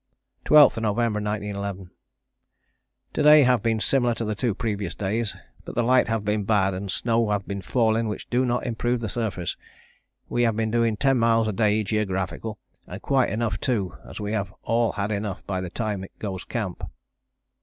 "12th November 1911. "To day have been similar to the two previous days, but the light have been bad and snow have been falling which do not improve the surface; we have been doing 10 miles a day Geographical and quite enough too as we have all had enough by time it goes Camp.